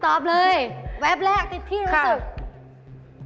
ตอบเลยแวบแรกติดที่รู้สึก